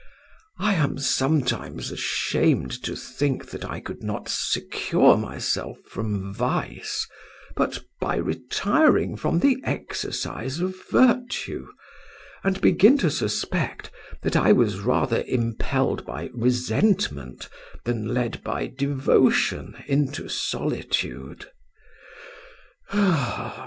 I am sometimes ashamed to think that I could not secure myself from vice but by retiring from the exercise of virtue, and begin to suspect that I was rather impelled by resentment than led by devotion into solitude.